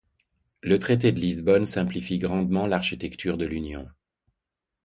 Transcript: Le traité de Lisbonne simplifie grandement l'architecture de l'Union.